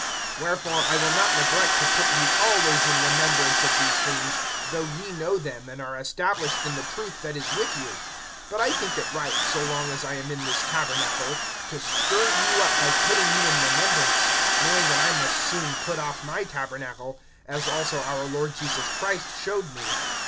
(12)Wherefore, I will not neglect to put you always in remembrance of these things, though ye know them, and are established in the truth that is with you. (13)But I think it right, so long as I am in this tabernacle, to stir you up by putting you in remembrance; (14)knowing that I must soon put off my tabernacle[1:14], as also our Lord Jesus Christ showed me.